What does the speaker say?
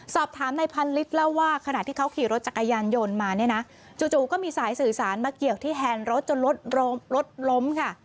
สอบถามนายพันฤทธิเล่าว่าขณะที่เขาขี่รถจักรยานยนต์มาเนี่ยนะจู่ก็มีสายสื่อสารมาเกี่ยวที่แฮนด์รถจนรถล้มค่ะ